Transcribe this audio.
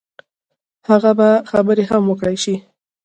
هغه به خبرې هم وکړای شي.